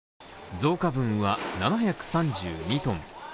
増加分は７３２トン。